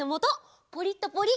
ポリッとポリ！